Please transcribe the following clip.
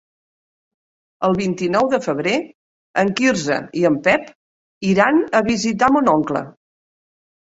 El vint-i-nou de febrer en Quirze i en Pep iran a visitar mon oncle.